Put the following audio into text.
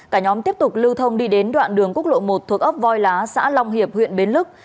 cả nhóm tiếp tục lưu thông đi đến đoạn đường quốc lộ một thuộc ấp voi lá xã long hiệp huyện bến lức